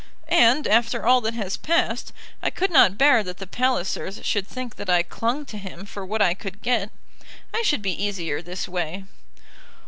And after all that has passed, I could not bear that the Pallisers should think that I clung to him for what I could get. I should be easier this way."